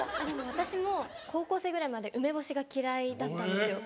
私も高校生ぐらいまで梅干しが嫌いだったんですよ。